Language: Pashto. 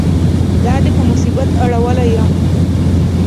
دا دې په مصیبت اړولی یم.